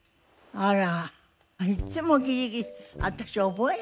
あら！